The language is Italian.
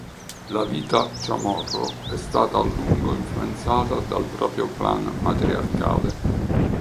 La vita Chamorro è stata a lungo influenzata dal proprio clan matriarcale.